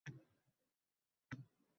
Har kuni ishdan qo`lida gul bilan keladi